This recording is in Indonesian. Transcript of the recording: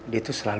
dia tuh selamat